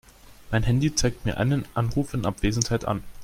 Mein Handy zeigt mir einen Anruf in Abwesenheit an.